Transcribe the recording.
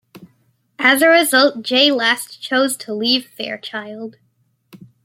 As a result, Jay Last chose to leave Fairchild.